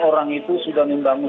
orang itu sudah membangun